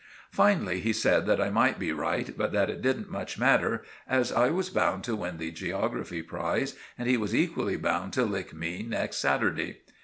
Finally he said that I might be right, but that it didn't much matter as I was bound to win the geography prize, and he was equally bound to lick me next Saturday.